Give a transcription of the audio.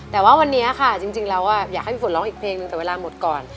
แต่ว่าวันนี้ค่ะจริงแล้วอยากให้พี่ฝนร้องอีกเพลงนึงแต่เวลาหมดก่อน